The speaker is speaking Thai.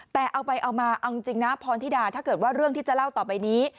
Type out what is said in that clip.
แต่เอาไปเอามาเอาจริงนะพรธิดาถ้าเกิดว่าเรื่องที่จะเล่าต่อไปนี้